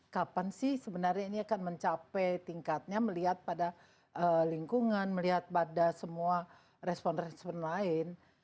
kapan sih sebenarnya ini akan mencapai tingkatnya melihat pada lingkungan melihat pada semua respon respon lain